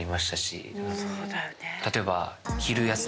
例えば。